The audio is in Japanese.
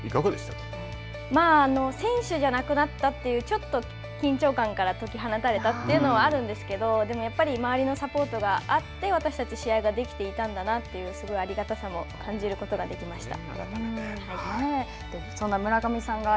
コーチとして大会に臨むというのはまあ、選手じゃなくなったというちょっと緊張感から解き放たれたというのはあるんですけどでも、やっぱり周りのサポートがあって私たち試合ができていたんだなってすごいありがたさも感じることができました。